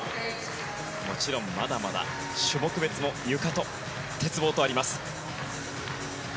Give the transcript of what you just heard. もちろん、まだまだ種目別もゆかと鉄棒とあります。